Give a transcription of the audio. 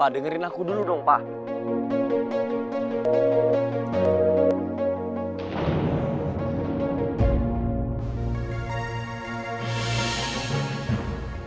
dengerin aku dulu dong pak